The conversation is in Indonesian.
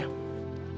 aku berangkat ya